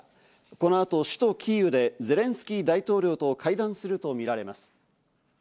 あの後、首都キーウでゼレンスキー大統領と会談するとみられます。